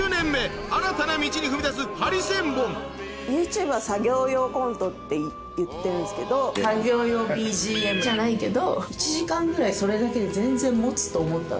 次週ＹｏｕＴｕｂｅは作業用コントって言ってるんですけど作業用ＢＧＭじゃないけど１時間ぐらいそれだけで全然持つと思った。